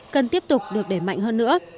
cần tiếp tục được đẩy mạnh hơn nữa